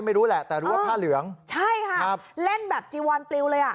ไม่รู้แหละแต่รู้ว่าผ้าเหลืองใช่ค่ะครับเล่นแบบจีวอนปลิวเลยอ่ะ